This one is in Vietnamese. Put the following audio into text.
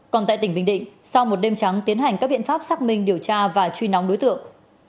còn tại tỉnh bình định sau một đêm trắng tiến hành các biện pháp xác minh điều tra và truy nóng đối tượng